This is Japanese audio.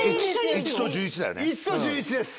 １と１１です。